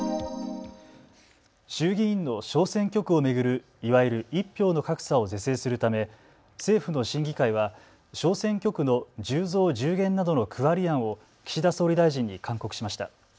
衆議院の小選挙区を巡るいわゆる１票の格差を是正するため政府の審議会は小選挙区の１０増１０減などの区割り案を岸田総理大臣に勧告しました。